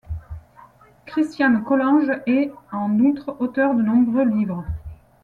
Christiane Collange est, en outre, auteur de nombreux livres.